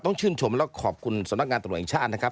ต้องชื่นชมและขอบคุณสำนักงานตำรวจแห่งชาตินะครับ